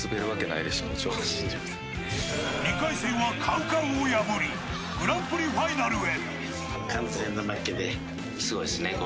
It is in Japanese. ２回戦はＣＯＷＣＯＷを破りグランプリファイナルへ。